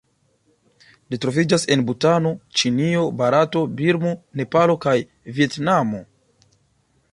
Ĝi troviĝas en Butano, Ĉinio, Barato, Birmo, Nepalo kaj Vjetnamo.